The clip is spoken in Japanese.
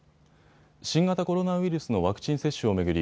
新型コロナウイルスのワクチン接種を巡り